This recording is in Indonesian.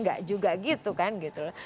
gak juga gitu kan gitu loh